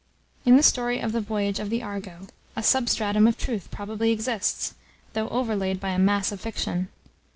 In the story of the voyage of the Argo, a substratum of truth probably exists, though overlaid by a mass of fiction.